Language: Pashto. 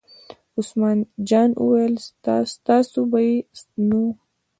عثمان جان وویل: ساتو به یې نو.